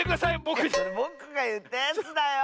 ぼくがいったやつだよ。